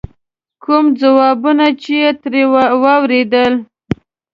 کوم ځوابونه چې یې ترې واورېدل.